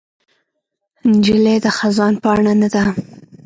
نجلۍ د خزان پاڼه نه ده.